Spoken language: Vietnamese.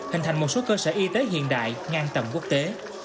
hình thành một số cơ sở y tế hiện đại ngang tầm quốc tế